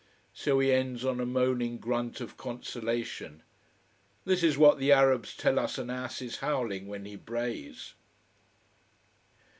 So he ends on a moaning grunt of consolation. This is what the Arabs tell us an ass is howling when he brays.